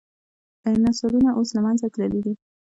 ډیناسورونه اوس له منځه تللي دي